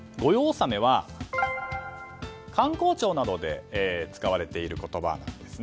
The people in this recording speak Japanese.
納めは官公庁などで使われている言葉なんです。